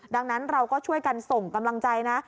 ดังนั้นเราก็ช่วยกันส่งกำลังใจนะ